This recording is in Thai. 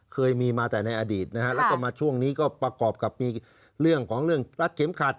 เคยมีมาแต่ในอดีตนะฮะแล้วก็มาช่วงนี้ก็ประกอบกับมีเรื่องของเรื่องรัดเข็มขัด